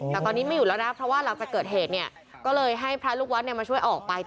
แต่ตอนนี้ไม่อยู่แล้วนะครับเพราะว่าจะเกิดเหตุก็เลยให้พระลูกวัฒน์ช่วยออกไป